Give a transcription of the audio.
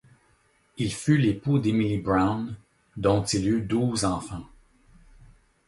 Il fut l'époux d'Émilie Brown, dont il eut douze enfants.